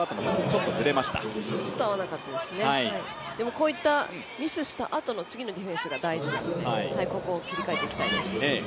こういったミスしたあとの次のディフェンス大事なのでここを切り替えていきたいです。